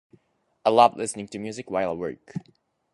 I love listening to music while I work.